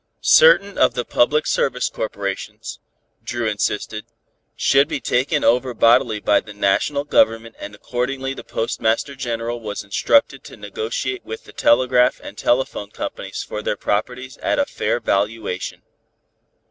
Certain of the public service corporations, Dru insisted, should be taken over bodily by the National Government and accordingly the Postmaster General was instructed to negotiate with the telegraph and telephone companies for their properties at a fair valuation.